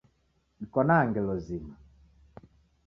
Dikwanaa ngelo zima